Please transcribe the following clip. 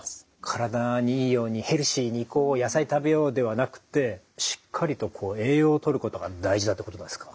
体にいいようにヘルシーに野菜食べようではなくてしっかりと栄養をとることが大事だということなんですか？